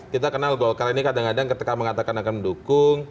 kita kenal golkar ini kadang kadang ketika mengatakan akan mendukung